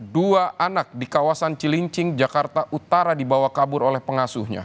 dua anak di kawasan cilincing jakarta utara dibawa kabur oleh pengasuhnya